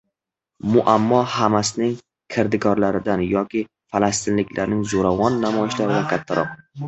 Muammo Hamasning kirdikorlaridan yoki falastinliklarning zo‘ravon namoyishlaridan kattaroq.